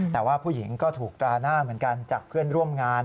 แต่ว่าผู้หญิงก็ถูกตราหน้าเหมือนกันจากเพื่อนร่วมงาน